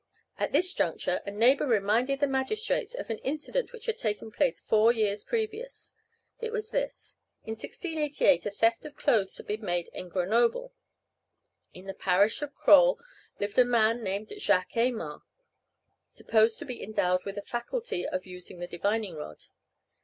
At this juncture a neighbor reminded the magistrates of an incident which had taken place four years previous. It was this. In 1688 a theft of clothes had been made in Grenoble. In the parish of Crôle lived a man named Jacques Aymar, supposed to be endowed with the faculty of using the divining rod.